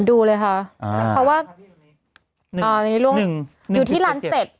ดูเลยค่ะเพราะว่าอยู่ที่ล้านเจ็ด